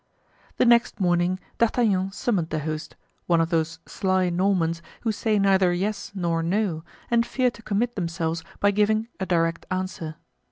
The next morning D'Artagnan summoned the host, one of those sly Normans who say neither yes nor no and fear to commit themselves by giving a direct answer.